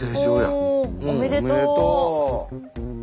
うんおめでとう。